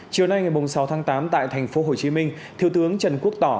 chiều nay ngày sáu tháng tám tại thành phố hồ chí minh thiếu tướng trần quốc tỏ